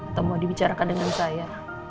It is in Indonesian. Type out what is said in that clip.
atau mau dibicarakan dengan saya